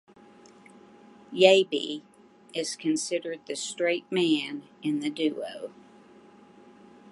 Yabe is considered the straight man in the duo.